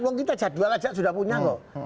uang kita jadwal saja sudah punya loh